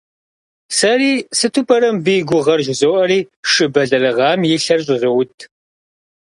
Сэри, сыту пӀэрэ мыбы и гугъэр, жызоӀэри, шы бэлэрыгъам и лъэр щӀызоуд.